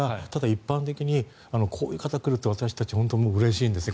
一般的にこういう方が来ると私たちはうれしいんですね。